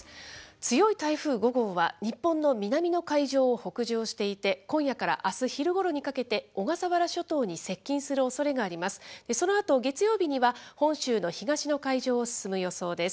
強い台風５号は、日本の南の海上を北上していて、今夜からあす昼ごろにかけて、小笠原諸島に接近するおそれがあります。